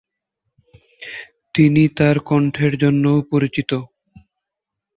তিনি তার কণ্ঠের জন্যও পরিচিত।